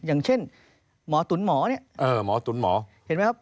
อย่างเช่นหมอตุ๋นหมอเนี่ยเห็นไหมครับ